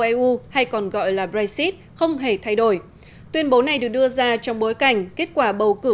eu hay còn gọi là brexit không hề thay đổi tuyên bố này được đưa ra trong bối cảnh kết quả bầu cử